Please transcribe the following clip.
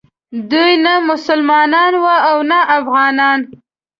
دوی نه مسلمانان وو او نه افغانان.